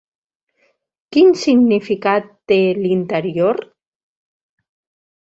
Quin significat té l'interior?